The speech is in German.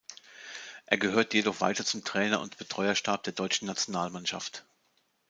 Er gehört jedoch weiter zum Trainer- und Betreuerstab der deutschen Nationalmannschaft.